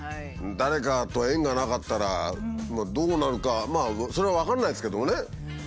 誰かと縁がなかったらどうなるかまあそれは分からないですけどもね。